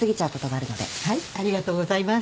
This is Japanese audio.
ありがとうございます。